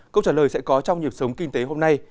câu trả lời sẽ có trong nhịp sống kinh tế hôm nay